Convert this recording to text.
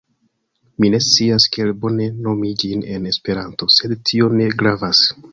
Mi ne scias kiel bone nomi ĝin en Esperanto, sed tio ne gravas.